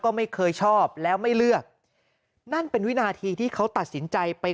ก็ไม่เคยชอบแล้วไม่เลือกนั่นเป็นวินาทีที่เขาตัดสินใจไป